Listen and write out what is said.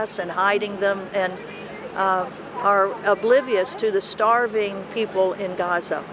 kita tidak memiliki kebenaran dengan orang orang yang mabuk di gaza